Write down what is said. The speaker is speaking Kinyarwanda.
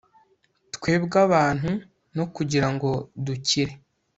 twebw'abantu no kugira ngo dukire